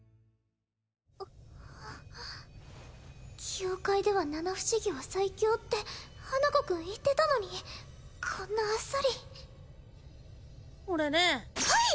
境界では七不思議は最強って花子くん言ってたのにこんなあっさり俺ねーはい！